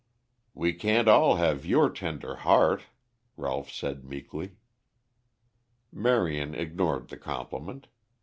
"We can't all have your tender heart," Ralph said meekly. Marion ignored the compliment.